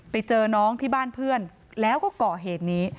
ไปเจอน้องที่บ้านเพื่อนแล้วก็ก่อเหตุนี้